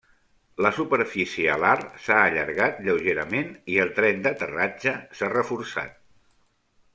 La superfície alar s'ha allargat lleugerament i el tren d'aterratge s'ha reforçat.